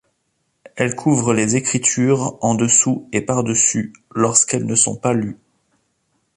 Elle couvre les Écritures en dessous et par-dessus lorsqu'elles ne sont pas lues.